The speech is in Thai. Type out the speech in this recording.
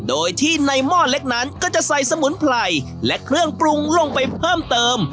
โดยที่ในหม้อเล็กนั้นก็จะใส่สมุนไพรและเครื่องปรุงลงไปเพิ่มเติม